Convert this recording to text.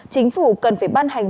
chính phủ cần phải ban hành